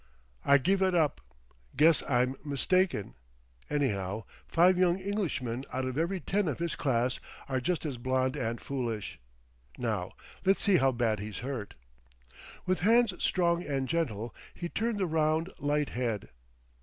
"I give it up. Guess I'm mistaken. Anyhow, five young Englishmen out of every ten of his class are just as blond and foolish. Now let's see how bad he's hurt." With hands strong and gentle, he turned the round, light head.